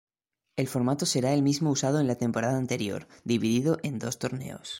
El formato será el mismo usado en la temporada anterior; dividido en dos torneos.